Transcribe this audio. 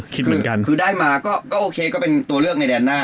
คือได้มาก็โอเคก็เป็นตัวเลือกในแดนหน้า